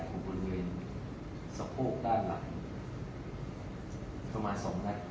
ถูกบนเวนสะโพกด้านหลังประมาณ๒นัก